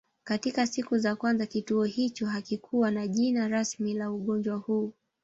Katika siku za kwanza kituo hicho hakikuwa na jina rasmi la ugonjwa huu